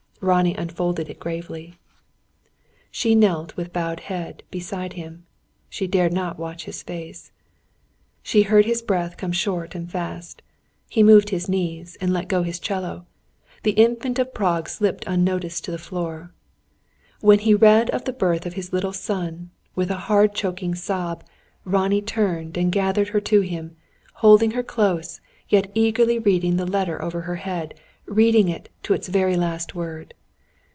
Ronnie unfolded it gravely. She knelt, with bowed head, beside him. She dared not watch his face. She heard his breath come short and fast. He moved his knees, and let go his 'cello. The Infant of Prague slipped unnoticed to the floor. When he read of the birth of his little son, with a hard choking sob, Ronnie turned and gathered her to him, holding her close, yet eagerly reading the letter over her head; reading it, to its very last word.